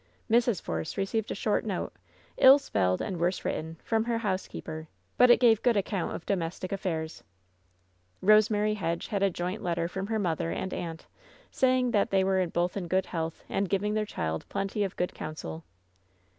Mrs. Force received a short note, ill spelled and worse written, from her housekeeper, but it gave good account of domestic affairs. Bosemary Hedge had a joint letter from her mother 290 LOVE'S BITTEREST CUP and aunt, saying that they were both in good healdi, and giving their child plenty of good counsel.